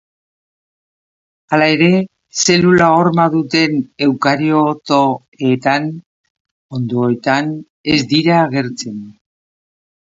Hala ere, zelula horma duten eukariotoetan, onddoetan, ez dira agertzen.